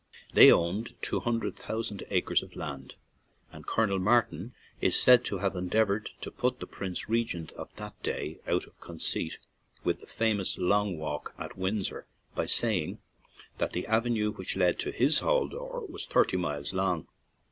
They owned two hundred thousand acres of land, and Colonel Martin is said to have endeavored to put the Prince Regent of that day out of conceit with the famous Long Walk at Windsor by say ing that the avenue which led to his hall door was thirty miles long.